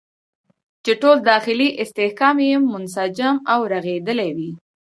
چې ټول داخلي استحکام یې منسجم او رغېدلی وي.